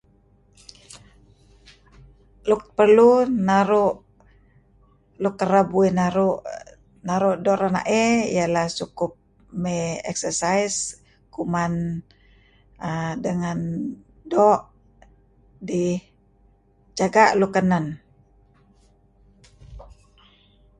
Luk perlu naru' luk kareb uih naru', naru' doo' ranaey iahlah sukup may exercise kuman uhm dengan doo' dih jaga' nuk kenen.